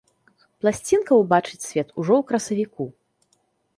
Пласцінка убачыць свет ужо ў красавіку.